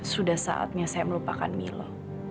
sudah saatnya saya melupakan mila